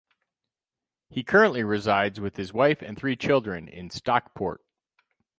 He currently resides with his wife and three children in Stockport.